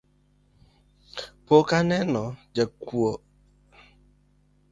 Pok aneno jakuok echiroka